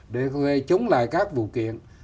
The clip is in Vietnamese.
để có thể chống lại các vụ kiện